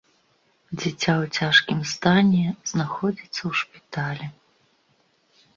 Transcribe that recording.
Дзіця ў цяжкім стане знаходзіцца ў шпіталі.